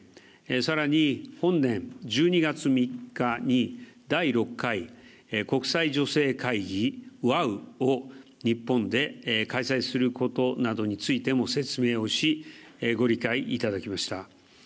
さらに、本年１２月３日に第６回国際女性会議ワウを日本で開催することなどについても説明をし、ご理解いただきました。